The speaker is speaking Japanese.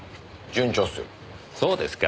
そうですか。